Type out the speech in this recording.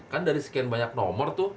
kan dari sekian banyak nomor tuh